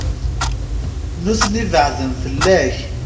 Nutni beɛden fell-ak.